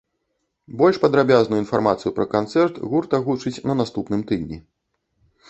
Больш падрабязную інфармацыю пра канцэрт гурт агучыць на наступным тыдні.